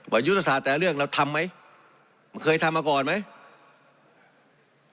ยุทธศาสตร์แต่ละเรื่องเราทำไหมเคยทำมาก่อนไหม